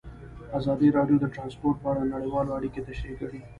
ازادي راډیو د ترانسپورټ په اړه نړیوالې اړیکې تشریح کړي.